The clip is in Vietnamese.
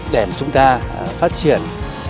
để chúng ta phát triển